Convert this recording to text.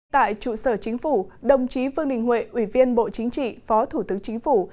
tại trụ sở chính phủ đồng chí vương đình huệ ủy viên bộ chính trị phó thủ tướng chính phủ